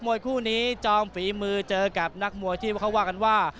วยคู่นี้จองฝีมือเจอกับนักมวยที่เขาว่ากันว่า